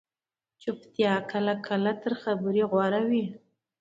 چُپتیا کله کله تر خبرې غوره وي